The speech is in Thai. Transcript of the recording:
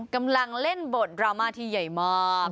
เกิดมันเล่นบทรามากที่ใหญ่มาก